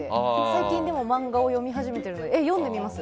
最近でも漫画を読み始めているので読んでみます。